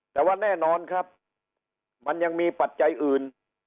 แต่ว่าแน่นอนครับมันยังมีปัจจัยอื่น